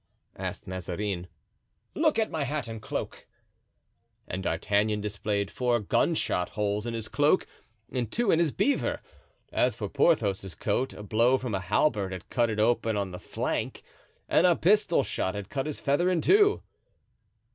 asked Mazarin. "Look at my hat and cloak." And D'Artagnan displayed four gunshot holes in his cloak and two in his beaver. As for Porthos's coat, a blow from a halberd had cut it open on the flank and a pistol shot had cut his feather in two.